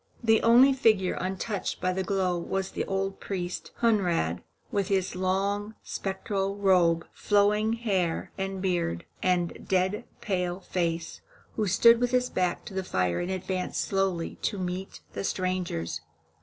The only figure untouched by the glow was the old priest, Hunrad, with his long, spectral robe, flowing hair and beard, and dead pale face, who stood with his back to the fire and advanced slowly to meet the strangers.